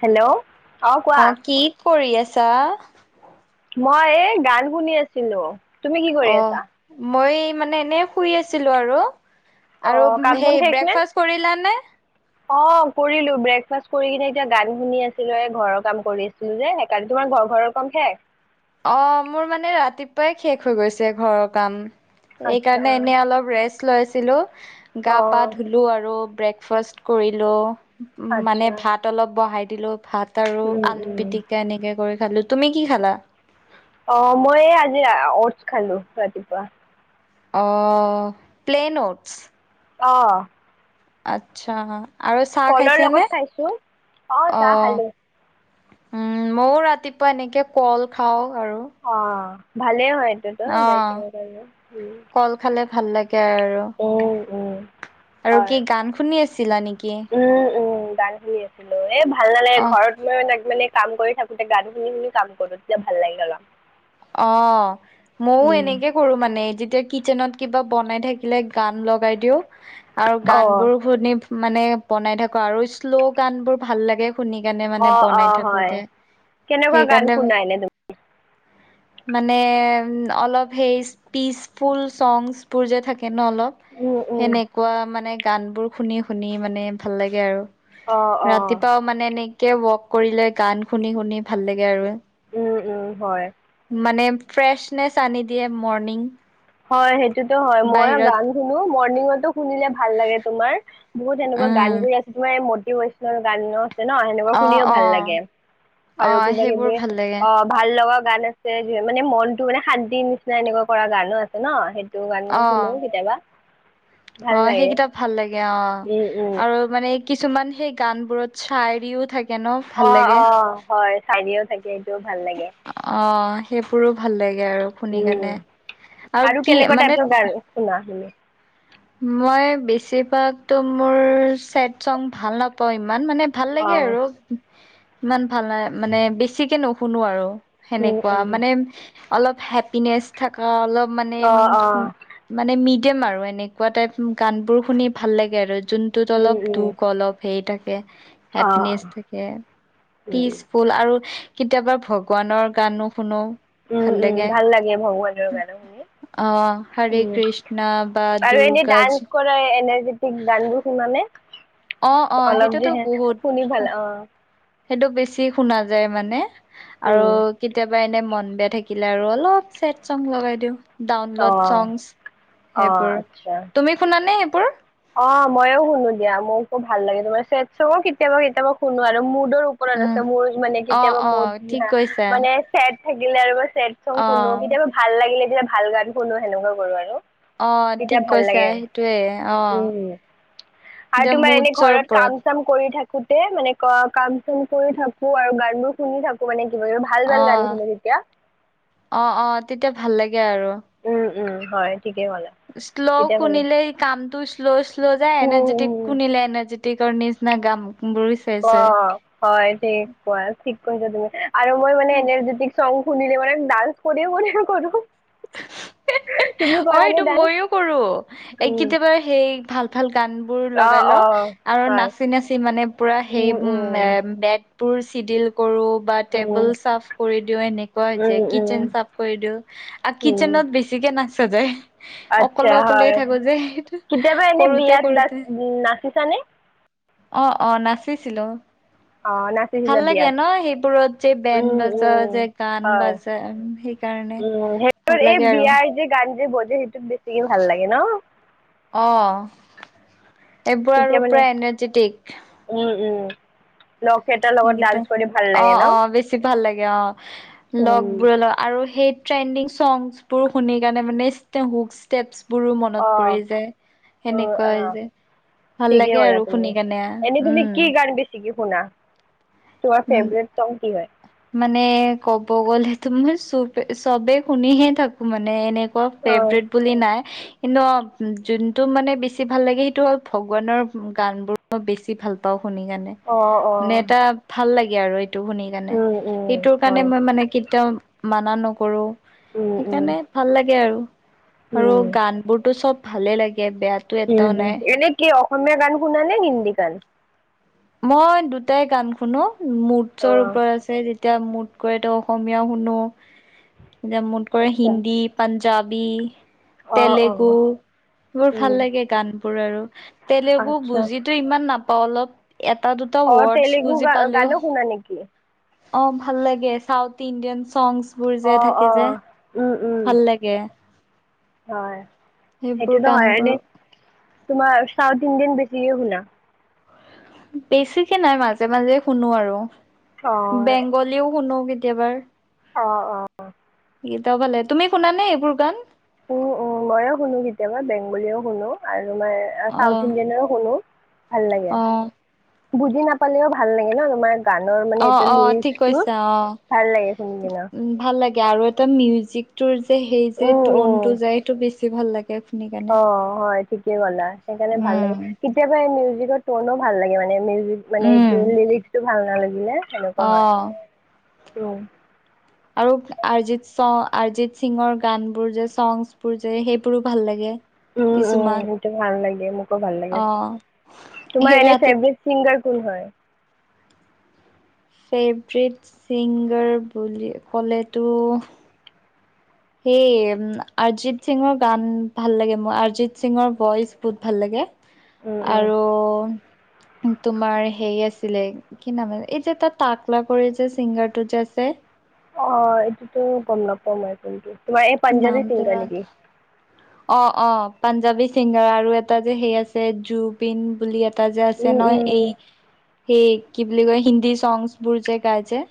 Hello, অ', কি কৰি আছা। মই এই গান শুনি আছিলো তুমি কি কৰি অ', আছা মই মানে এনে শুই আছিলো আৰু অ আৰু কাম চাম সেই শেষ নে ব্ৰেকফাষ্ট কৰিল নে অ', কৰিলো ব্ৰেকফাষ্ট কৰি কিনে এতিয়া গান শুনি আছিলো এ ঘৰৰ কাম কৰি আছিলো যে সেইকাৰণে তোমাৰ ঘৰ ঘৰৰ কম খে অ', মোৰ মানে ৰাতিপুৱাই শেষ হৈ গৈছে ঘৰৰ কাম আচ্ছা এইকাৰণে এনে অলপ ৰেষ্ট লৈছিলো গা অ পা ধুলো আৰু ব্ৰেকফাষ্ট কৰিলোঁ মানে আচ্ছা ভাত অলপ বহাই দিলোঁ ভাত আৰু উম আলু উম পিটিকা এনেকে কৰি খালো তুমি কি খালা অ', মই আজি চ খালো ৰাতিপুৱা অ', প্লে নোটছ আহ, আচ্ছা আৰু চাহ খাইছে নে লগত খাইছো চাহ অ', খালো উম, ময়ও ৰাতিপুৱা এনেকে কল খাও অ', ভালেই হয় এইটোতোাইঙৰ অ', কাৰণে উম কল খালে ভাল লাগে আৰু। উম আৰু কি গান শুনি আছিল। উম-উম গান শুনি আছিলো এ ভাল নালাগে অ', ঘৰত মই মানে কাম কৰি থাকোতে গান শুনি শুনি কাম কৰো তেতিয়া ভাল লাগিল অল অ মইও এনেকে কৰো মানে যেতিয়া। কিটচেনত কিবা বনাই থাকিলে গান লগাই দিও আৰু অ গান বোৰ শুনি। মানে বনাই থাকো আৰু শ্ল' গান বোৰ ভাল লাগে। শুনি কেণে অ মানে অ বনাই হয় থাকোতে কেনেকুৱা গান সেইকাৰণে। শুনা এনে তুমি মানে অলপ সেই পিচফুল চংবোৰ যে থাকে। এনে অলপ উম উম সেনেকুৱা মানে গানবোৰ শুনি শুনি মানে ভাল লাগে আৰু। অ অ ৰাতিপাও মানে এনেকে ৱক কৰি লৈ গান শুনি-শুনি ভাল লাগে আৰু। উম-উম হয়। মানে ফ্ৰেছনেছ আনি দিয়ে মৰ্ণিং। হয় সেইটোতো হয় মই বাহিৰত গান শুনো মৰ্ণিঙতো শুনিলে ভাল লাগে তোমাৰ। বহুত এনেকুৱা গান উম বোৰ আছে তোমাৰ এই মটিভেশচল গানৰ। ন সেনেকুৱা অ শুনিও অ ভাল লাগে অ আৰু কিবা সেইবোৰ কিবি ভাল লাগে অ ভাল লগা। গান আছে যি মানে মনতটো মানে শান্তিৰ নিচিনা এনেকুৱা কৰা গানো আছে ন সেই তটো গান অ শুনো কেতিয়াবা। অ ভাল লাগে সেইকেইতাপ ভাল লাগে অ উম উম আৰু মানে কিছুমান সেই গান বোৰত চাযাৰিও থাকে। ন ভাল লাগে। অ-অ হয় চাৰও থাকে সেইটোও ভাল লাগে। অ সেইবোৰো ভাল লাগে আৰু শুনি উম কেনে আৰু কি কেনেকুৱা মানে। টাইপৰ গান শুনা তুমি মই বেছিভাগতো মোৰ চছেড চং ভাল নাপাওঁ ইমান মানে। ভাল অ লাগে আৰু ইমান ভাল নাই মানে বেছিকে নুশুনো আৰু। উম সেনেকুৱা উম মানে অলপ হেপিনেচ থকা অলপ মানে অ অ উ মানে মিডিয়াম আৰু এনেকুৱা টাইপ গান বোৰ শুনি ভাল লাগে আৰু। যোনটোত উম অলপ উম দুখ অলপ হেই থাকে। অ হেপিনেচ থাকে উম পিচফুল আৰু কেতিয়াবা ভগৱানৰ গানো শুনো। উম ভাল উম লাগে ভগৱানৰ গান শুনি অ হৰি উম কৃষ্ণ বা আৰু এনেই দুৰ্গা ডান্স কৰা এনাৰ্জেটিক গান বোৰ সিমানে অ-অ সেইটোতো বহুত শুনি ভাল অ সেইটো বেছি শুনা যায় মানে উম আৰু কেতিয়াবা। ক এনে মন বেয়া থাকিলে আৰু অলপ চছেড চং লগাই দিওঁ। ডাউনলোড অ চংছ অ সেইবোৰ আচ্ছা তুমি শুনা নে? অ ময়ো শুনো দিয়া মোকো ভাল লাগে তোমাৰও কেতিয়াবা কেতিয়াবা শুনো আৰু মোৰ ওপৰত উম, আছে মোৰ মানে অ', কেতিয়াবা অ', মোৰ ঠিক কৈছা। মানে চেদ থাকিলে আৰু। চছেড চংচ শুনো অ', কেতিয়াবা ভাল লাগিলে তেতিয়া ভাল গান শুনো সেনেকুৱা কৰো আৰু। অ' তেতিয়া ঠিক ভাল কৈছা লাগে সেইটোয়ে। অ'। উম আৰু এতিয়া তোমাৰ এনে মুডছৰ ঘৰত ওপৰত কাম চাম কৰি থাকে। গোটেই মানে ক কাম চাম কৰি থাকো আৰু গান বোৰ শুনি থাকো মানে। আৰু ভাল-ভাল গান অ'। শুনো তেতিয়া এতিয়া ভাল লাগে আৰু। উম উম হয়। ঠিকেই ক'লা শ্ল' তেতিয়া ভাল শুনিলে কামটো শ্ল-শ্ল' যায় উম এনাৰ্জেটিক উম শুনিলে এনাৰ্জেটিক তিকৰ নিচনা গাম। অ', অ', হয় দে এনেকুৱা ঠিক কৈছা তুমি আৰু মই মানে এনেৰযেটিক সং শুনিলে মান ডান্স কৰিম-কৰিম কৰো। তুমি অ, কৰা নে এইটো ডান্স মইও কৰো। এই উম কেতিয়াবা সেই ভাল কান বোৰ অ লগাই ল, অ আৰু হয় নাচি-নাচি মানে পুৰা সেই উম উ উম এ বেত বোৰ চিডিল কৰো, বা, উম টেবল চাফ কৰি দিও এনেুকোৱা উম হৈছে উম কিছেন চাফ কৰি দিও আৰু উম কিছেনত বেছিকে না ছেজায় আচ্ছা হয়। কেতিয়াবা এনে কৰোতে বিয়াত কৰোতে নাচ-নাচিছানে? অ', অ' নাচিছিলোঁ। অ নাচিছিলা ভাল লাগে বিয়াত ন'? সেইবোৰত যে, বেণ্ড উম বাজা উম যে, গান হয় বাজে সেইকাৰণে, উম সেইটোত ভাল এই লাগে আৰু বিয়াৰ যে গান যে বজে, সেইটোক বেছিকৈ ভাল লাগে ন'? অ এইবোৰ তেতিয়া আৰু মানে পুৰা এনাৰ্জেটিক উম উম লগ কেইটাৰ লগত ডান্স সেইকেইটাই, কৰি ভাল লাগে অ', ন অ', বেছি ভাল লাগে অ' উম। লগবোৰে লগ আৰু সেই ট্ৰেণ্ডিং চংছবোৰ, শুনি কাৰণে মানে, ষ্টেপ, এই হ'ক ষ্টেপছ বোৰো মনত অ', পৰি যায়, উম, সেনেকুৱা হৈ অ', যায়। ভাল ঠিকেই লাগে ক'লা আৰু তুমি, শুনি কেনে এনে তুমি উম কি গান বেছিকে শুনা, তোমাৰ উম ফেভৰেট চংগ কি হয়? মানে, ক'ব গ'লেতো মই চব, চবে শুনিহে থাকোঁ মানে, এনে কুৱা, অ', ফেভৰেট বুলি নাই কিন্তু, অ', যোনটো মানে বেছি ভাল লাগে, সেইটো হ'ল ভগৱানৰ গানবোৰ মই বেছি ভাল পাওঁ। শুনি কেনে, অ', মানে অ', এটা ভাল লাগে আৰু এইটো শুনি কাৰণে, উম, উম, সেইটোৰ কাৰণে হয়। মই মানে, কেতিয়াও মানা নকৰোঁ উম, উম। সেইকাৰণে ভাল লাগে আৰু, আৰু উম। গানবোৰতো চব ভালে লাগে বেয়াটো হম, এটাও হম, নাই এনে কি অসমীয়া গান শুনা নে হিন্দী গান? মই দুয়োটাই গান শুনোঁ, মুডছৰ অ', ওপৰত চাই যেতিয়া মোড কৰে, ত', অসমীয়াও শুনো, যেতিয়া মোড কৰে আচ্ছা, হিন্দী, পাঞ্জা ঞ্জাবী, অ', অ', তেলেগু, সেইবোৰ ভাল উম। লাগে গানবোৰ আৰু তেলেগু আচ্ছা। বুজিটো ইমান নাপাওঁ, অলপ এটা দুটা অ', ৱৰ্ডছ তেলেগু বুজি পালেও গান-গানো শুনা নেকি? অ' ভাল লাগে চাউথ ইণ্ডিয়ান চংগছ। বোৰ যে অ', থাকে যে, অ', উম, উম, ভাল লাগে। হয়, সেইবোৰ সেইটোতো হয়, গানবোৰ এনে তোমাৰ চাউথ ইণ্ডিয়ান বেছি শুনা? বেছিকে নাই মাজে মাজে শুনো আৰু, বেংগলীও শুনো কি কেতিয়াবাৰ। অহ অ। গীতা ভালে, তুমি শুনাানে এইবোৰ গান? উ' উম 'য়ো শুনো কেতিয়াবা বেংগলীয়েও শুনো আৰু মই অ চাউথ ইণ্ডিয়ানেও শুনো। ভাল লাগে, অ বুজি নাপালেও ভাল লাগে ন তোমাৰ। গানৰ মানে এইটো অ' অ' ঠিক লিৰিক্সটো কৈছা অ'। ভাল লাগে শুনি কিনা উ' ভাল লাগে আৰু এটা মিউজিক টোৰ যে সেই যে উম টন উম টো যায় সেইটো বেছি ভাল লাগে। শুনি কাৰণে অ হয় ঠিকে কলা সেইকাৰণে ভাল লাগে, উম কেতিয়াবা মিউজ টনো ভাল লাগে মানে মিউজিক মানে উম এইটো লিৰিকটো ভাল নালাগিলে সেনেকুৱা হয়। অ অ' আৰু অৰিজিত চ অৰিজিত সিঙৰ গান বোৰ যে চংগছবোৰ যে সেইবোৰো ভাল লাগে। উ' কিছুমান উম'সেইটো ভাল লাগে মোকো ভাল অ লাগে, তোমাৰ সেই এনে ৰাতি ফেভট চিংগাৰ কোন হয়? ফেভৰেট চিংগাৰ বুলি ক'লেতো হেই উ অৰিজিত সিঙৰ গান ভাল লাগে মোৰ, অৰিজিত সিঙৰ ভইচ বহুত ভাল লাগে। উম উম আৰু তোমাৰ হেৰি আছিলে কি নাম এই যে তাকলা কৰি যে চিংগাৰটো যে আছে। অ, এইটোতো গম নাপওঁ মই কোনটো, তোমাৰ এই পাঞ্জাৱী নামটো চিংগাৰ নেকি? অ অ পাঞ্জাবী ছিংগাৰ আৰু এটা যে সেই আছে জুবিন বুলি এটা এটা যে আছে উম ন এই উম সেই কি বুলি কয়, হিন্দী চংছ বোৰ যে গাই যে।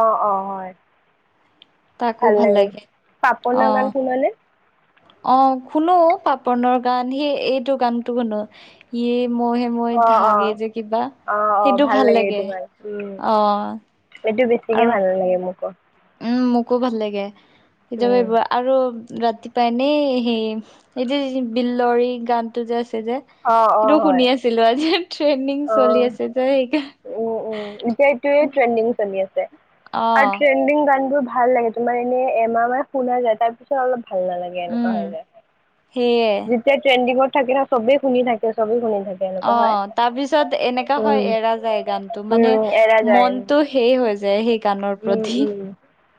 অ, অ, হয়। ভাল লাগে। অ পাপনৰ গান শুনানে? অ, শুনো পাপনৰ গান। সেই এইটো গানতো শুনো ইয়ে মহে মহে অঁ অঁ ধাগে এই যে কিবা। অঁ অঁ সেইটো ভাল লাগে। অ। সেইটো বেছিকে আৰু ভাল লাগে মোকো। উম, মোকো ভাল লাগে। কেতিয়াবা আৰু ৰাতিপুৱা এনেই সেই এইটো বিলৰি গানটো যে যে অঁ অঁ সেইটো হয় শুনি আছিলো। আজি ট্ৰেনিং চলি আছে। যে সেই উম, উম, এতিয়া এইটোৱে ট্ৰেণ্ডিং চলি আছে অ আৰু ট্ৰেণ্ডিং গান বোৰ ভাল লাগে। তোমাৰ এনে এমাহ শুনা যায় তাৰ পিছত অলপ ভাল নালাগে এনেকুৱা উম হয় যায়। সেয়ে যেতিয়া ট্ৰেণ্ডিঙত থাকে সবে শুনি থাকে। চবে শুনি থাকে অ এনেকুৱা হয় তাৰ পিছত এনেকা হয়। উম, এৰা ৰা যায় গানটো মানে উম, এৰা যায় মনটো শেই হৈ যায় সেই গানৰ উম, প্ৰতি। উম।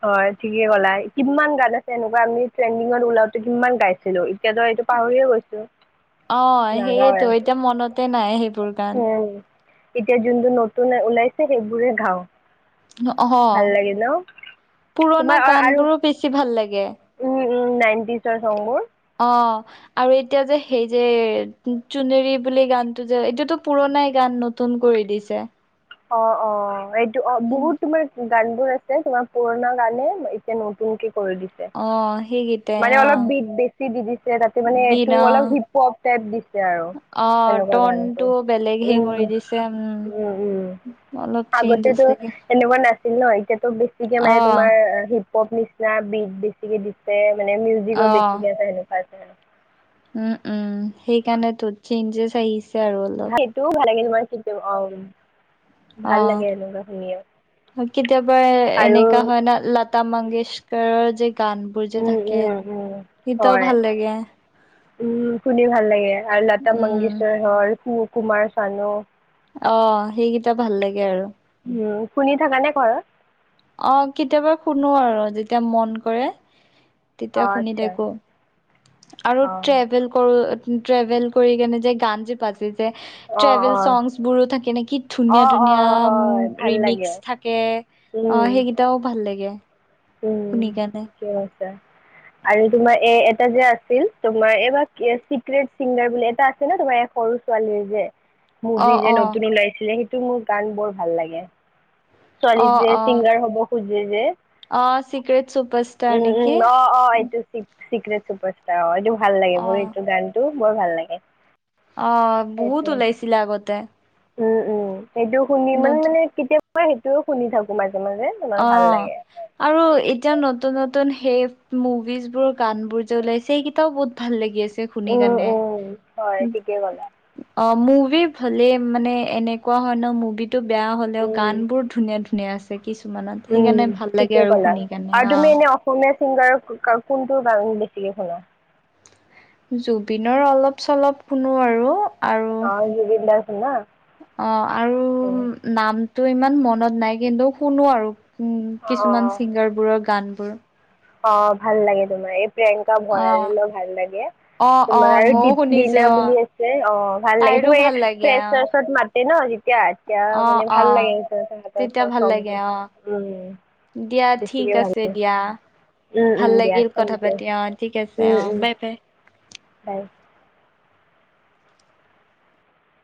হয় ঠিকে ক'লা। কিমান গান আছে এনেকুৱা আমি ট্ৰেণ্ডিঙত ওলাওতে কিমান গাইছিলো। এতিয়াতো পাহৰিয়ে গৈছো। অ নাগাওৱে। সেইয়েতো এতিয়া মনতে নাই সেইবোৰ। গান উম, এতিয়া জোন জোন নতুন ওলাইছে সেইবোৰে গাওঁ। অহ ভাল লাগিল ন পুৰণা তোমাৰ গান আৰু, বোৰো বেছি ভাল লাগে উম। উম, নাইনতিজৰ সং বোৰ। অ আৰু এতিয়া যে সেই যে চুনেৰি বুলি গানটো যে এইটোতো পুৰণাই গান। নতুন কৰি দিছে। অ, অ এইটো অ, বহুত তোমাৰ গানবোৰ আছে। তোমাৰ পুৰনা গানে এতিয়া নতুনকে কৰি দিছে। অ সেইকেইটাই মানে অ অলপ বিপ বেছি দি দিছে। তাতে মানে বিন এইটো অ অলপ হিপ হ'প টাইপ দিছে আৰু অ সেনেকুৱা টনটো গানটো, বেলেগ সেই কৰি উম, দিছে উম, উম। অলপ চেঞ্জ আগটেতো আছে এনেকুৱা নাছিল ন এতিয়াতো বেছিকে অ মানে তোমাৰ হিপ-হোপ নিচিনা। বিট বেছিকে দিছে মানে, মিউজিকো অ বেছিকে আছে সেনেকুৱা। উম, উম সেইকাৰণেটো চেঞ্জেছ আহিছে। আৰু অলপ ভাল সেইটোও ভাল লাগে, তোমাৰ কি অ, ভাল অ'। লাগে এনেকুৱা শুনি। কেতিয়াবা এনেকা হয় না লতা মংগেশকাৰৰ গান বোৰ যে উম থাকে উম উম সীতও হয় ভাল লাগে। উম, শুনি ভাল লাগে। আৰু লতা উম, মংগেশ্বৰ হ'ল, কুমাৰ চানু, অ, সেইকেইটা ভাল লাগে আৰু। উম, শুনি থাকা নে ঘৰত? অ, কেতিয়াবা শুনো আৰু যেতিয়া মন কৰে। অ তেতিয়া শুনি আচ্ছা থাকো, আৰু অ ট্ৰেভেল কৰো ট্ৰেভেল কৰি কেনে যে গান যে বাজে যে, অ ট্ৰেভেল সংছ বোৰো থাকে নে কি অ ধুনীয়া অ ধুনীয়া অ হয় ভাল ৰিমিক্স লাগে থাকে। অ উম সেইকেইটাও ভাল লাগে। শুনিকেনে। যে আৰু তোমাৰ এ এটা যে আছিল তোমাৰ এইবা, চিক্ৰেট চিংগাৰ বুলি এটা আছে ন তোমাৰ সৰু ছোৱালীয়ে যে অ মুভি যে অ নতুন ওলাইছিলে। সেইটো মোৰ গান বৰ ভাল লাগে। ছোৱালী অ যে অ চিংগাৰ হব খুজে যে। অ চিক্ৰেট চুপাৰষ্টাৰ উম নেকি উম অ অ এইটো চি চিক্ৰট চুপাৰ ষ্টাৰ অ এইটো ভাল লাগে অ মোৰ এইটো গানটো বৰ ভাল লাগে। অ বহুত সেইটো ওলাইছিলে আগতে। উম উম সেইটো শুনি মানে, নতুন মানে কেতিয়াবা সেইটোও শুনি থাকো মানে মাজে তোমাৰ যে তোমাৰ অ ভাল লাগে। আৰু এতিয়া নতুন নতুন সেইবোৰ মুভিজবোৰ গান বোৰ যে ওলাইছে সকেইটাও বহুত ভাল লাগি আছে। শুনি উম কেনে উম হয় ঠিকেই ক'লা অহ। মুভি ভালে মানে এনেকুৱা হয় ন মুভি টো বেয়া হ'লেও উম গান বোৰ ধুনীয়া ধুনীয়া আছে। কিছুমানত সেইকাৰণে উম' ভাল লাগে ঠিকে আৰু কলা শুনি কাৰণে আৰু অ তুমি এনে অসমীয়া চিংগাৰ কোনটো বেছিকে শুনা। জুবিনৰ অলপ চলপ শুনো আৰু। আৰু অ জুবিন দাৰ শুনা অহ, আৰু উম, নাম তো ইমান মনত নাই কিন্তু শুনো আৰু উম, অ কিছুমান ছিংগাৰবোৰৰ গানবোৰ। অহ' ভাল লাগে তোমাৰ এই প্ৰিয়ংকা অ', ভৰালিলো ভাল লাগে। অ', তোমাৰ অ', আৰু ময়ো শুনিছো দিপলিনা বুলি অ', আছে অহ, ভাল লাগে তাইৰো তোমাৰ এই ভাল লাগে ফ্ৰে অ'। চত ম এতিয়া, এতিয়া অ', মানে ভাল অ', লাগে তেওঁ তেতিয়া লোকৰ ভাল লাগে চংবোৰ অ', উম। দিয়া ঠিক বেছিকে ভাল আছে দিয়া। লাগে উম ভাল উম দিয়া লাগিল থেংক কথা ইউ পাতি অহ, ঠিক আছে উম অ, উম বাই বাই। বাই।